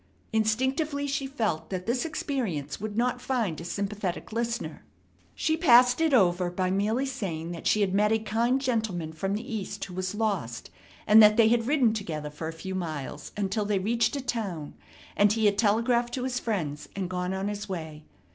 Instinctively she felt that this experience would not find a sympathetic listener. She passed it over by merely saying that she had met a kind gentleman from the East who was lost, and that they had ridden together for a few miles until they reached a town; and he had telegraphed to his friends, and gone on his way.